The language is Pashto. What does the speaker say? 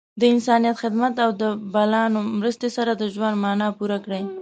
د انسانیت خدمت او د بلانو مرستې سره د ژوند معنا پوره کړئ.